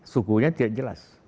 sukunya tidak jelas